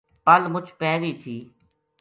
پَل مُچ پے گئی تھی